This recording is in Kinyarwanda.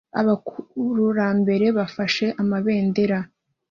Abakurambere bafashe amabendera